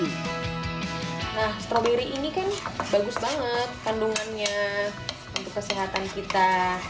nah stroberi ini kan bagus banget kandungannya untuk kesehatan kita